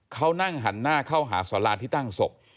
เขานั่งหันหน้าเข้าหาสาราที่ตั้งศพ